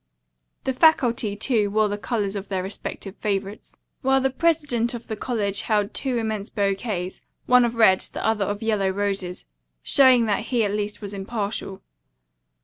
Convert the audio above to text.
The faculty, too, wore the colors of their respective favorites, while the president of the college held two immense bouquets, one of red, the other of yellow roses, showing that he at least was impartial.